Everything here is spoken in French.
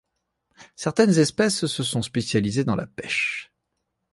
Certaines espèces se sont spécialisées dans la pêche.